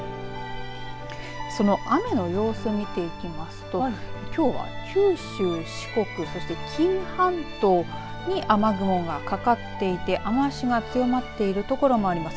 その雨の様子、見ていきますときょうは九州、四国そして紀伊半島に雨雲がかかっていて雨足が強まっているところもあります。